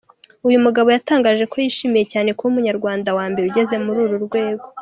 Uyu mugabo yatangaje ko yishimiye cyane kuba umunyarwanda wa mbere ugeze kuri uru rwego.